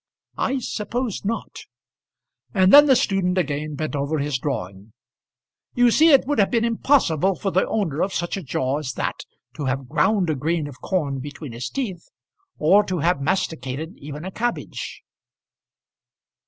"I suppose not." And then the student again bent over his drawing. "You see it would have been impossible for the owner of such a jaw as that to have ground a grain of corn between his teeth, or to have masticated even a cabbage."